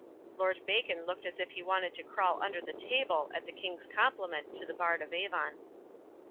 (Lord Bacon looked as if he wanted to crawl under the table at the King's compliment to the Bard of Avon.)